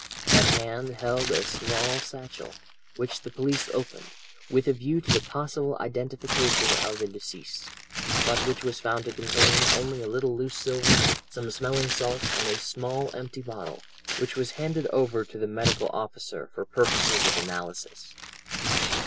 That hand held a small satchel, which the police opened, with a view to the possible identification of the deceased, but which was found to contain only a little loose silver, some smelling salts, and a small empty bottle, which was handed over to the medical officer for purposes of analysis.